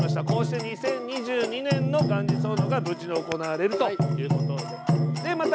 こうして２０２２年の元日奉納が無事、行われるということです。